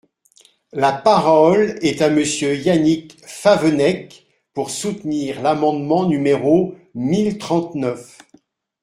La parole est à Monsieur Yannick Favennec, pour soutenir l’amendement numéro mille trente-neuf.